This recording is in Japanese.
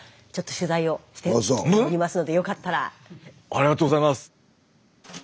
ありがとうございます！